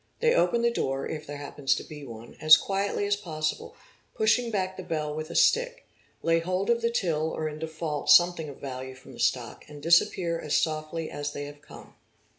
They open the | door, if there happens to be one, as quietly as possible, pushing back the | bell with a stick, lay hold of the till or in default something of value from ) q the stock, and disappear as softly as they have come.